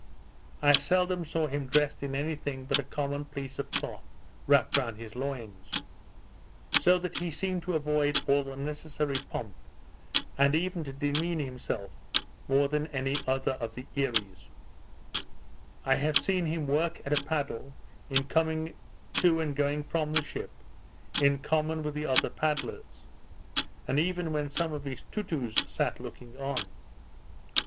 I seldom saw him dressed in any thing but a common piece of cloth wrapped round his loins; so that he seemed to avoid all unnecessary pomp, and even to demean himself more than any other of the Earees. I have seen him work at a paddle, in coming to and going from the ship, in common with the other paddlers; and even when some of his Toutous sat looking on.